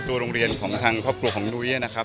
โรงเรียนของทางครอบครัวของนุ้ยนะครับ